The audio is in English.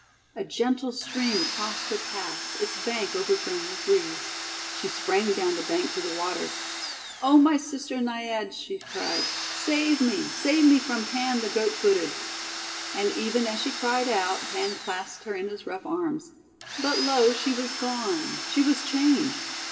A gentle stream crossed her path, its bank overgrown with reeds. She sprang down the bank to the water. ;<O my sister Naiads," she cried, "save me! Save me from Pan the goat footed!' And even as she cried out, Pan clasped her in his rough arms. But, lo, she was gone, she was changed!